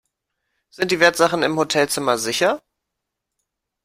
Sind die Wertsachen im Hotelzimmer sicher?